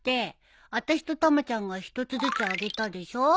あたしとたまちゃんが１つずつあげたでしょ。